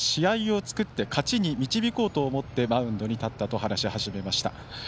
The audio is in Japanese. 今日は試合を作って勝ちに導こうと思ってマウンドに立ったと話し始めました。